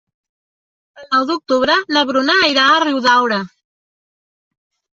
El nou d'octubre na Bruna irà a Riudaura.